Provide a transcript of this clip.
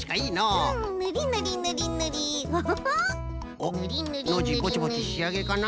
おっノージーぼちぼちしあげかな。